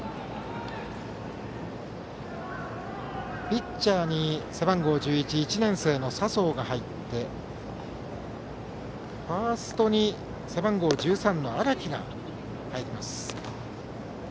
ピッチャーに背番号１１１年生の佐宗が入ってファーストに背番号１３の荒木が入ります。